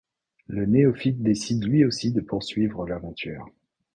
Le néophyte décide lui aussi de poursuivre l’aventure.